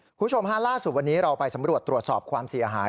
คุณผู้ชมฮะล่าสุดวันนี้เราไปสำรวจตรวจสอบความเสียหาย